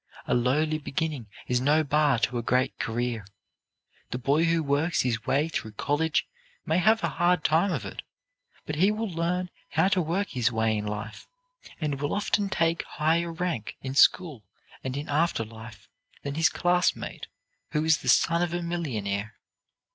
A lowly beginning is no bar to a great career. The boy who works his way through college may have a hard time of it, but he will learn how to work his way in life, and will often take higher rank in school, and in after life, than his classmate who is the son of a millionaire.